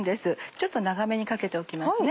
ちょっと長めにかけておきます。